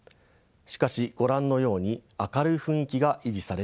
しかし御覧のように明るい雰囲気が維持されています。